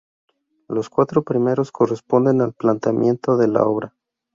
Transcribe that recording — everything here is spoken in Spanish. Los cuatro primeros corresponden al planteamiento de la obra.